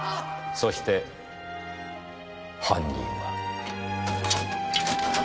そして犯人は。